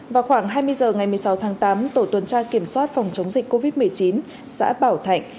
vào khoảng hai mươi h ngày một mươi sáu tháng tám tổ tuần tra kiểm soát phòng chống dịch covid một mươi chín xã bảo thạnh